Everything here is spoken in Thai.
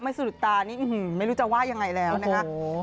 สะดุดตานี่ไม่รู้จะว่ายังไงแล้วนะคะ